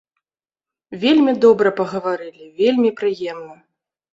Вельмі добра пагаварылі, вельмі прыемна.